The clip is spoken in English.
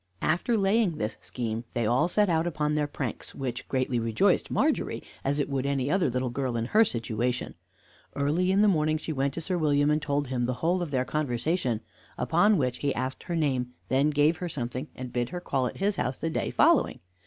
After laying his scheme, they all set out upon their pranks, which greatly rejoiced Margery, as it would any other little girl in her situation. Early in the morning she went to Sir William, and told him the whole of their conversation. Upon which he asked her name, then gave her something, and bid her call at his house the day following.